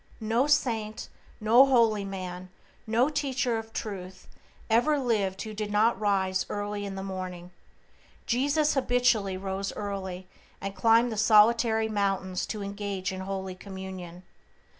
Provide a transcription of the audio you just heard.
No saint, no holy man, no teacher of Truth ever lived who did not rise early in the morning. Jesus habitually rose early, and climbed the solitary mountains to engage in holy communion.